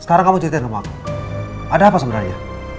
sekarang kamu ceritain sama aku ada apa sebenarnya